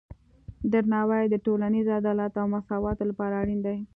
درناوی د ټولنیز عدالت او مساواتو لپاره اړین دی.